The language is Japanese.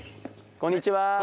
こんにちは。